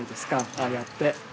ああやって。